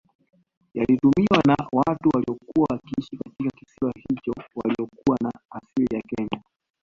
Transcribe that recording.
Yalitumiwa na watu waliokuwa wakiishi katika kisiwa hicho waliokuwa na asili ya Kenya